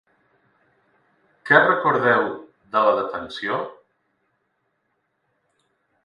Què recordeu de la detenció?